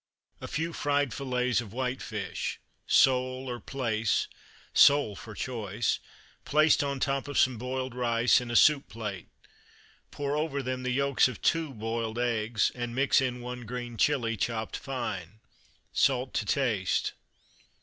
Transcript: _ A few fried fillets of white fish (sole, or plaice sole for choice), placed on the top of some boiled rice, in a soup plate. Pour over them the yolks of two boiled eggs, and mix in one green chili, chopped fine. Salt to taste.